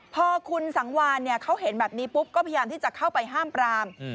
พอคุณสังวานเขาเห็นแบบนี้ปุ๊บก็พยายามที่จะเข้าไปห้ามปราม